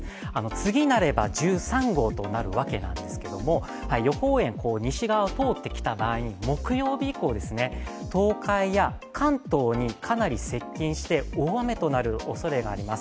次、なれば１３号となるわけですけれども、予報円、西側を通ってきた場合に木曜日以降、東海や関東にかなり接近して大雨となるおそれがあります。